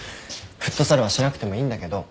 フットサルはしなくてもいいんだけど。